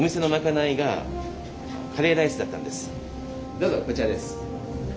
どうぞこちらです。